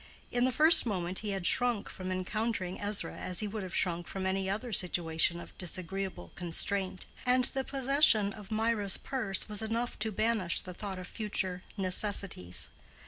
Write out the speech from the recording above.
In the first moment he had shrunk from encountering Ezra as he would have shrunk from any other situation of disagreeable constraint; and the possession of Mirah's purse was enough to banish the thought of future necessities.